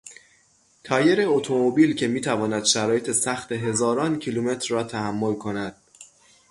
تایر اتومبیل که میتواند شرایط سخت هزاران کیلومتر را تحمل کند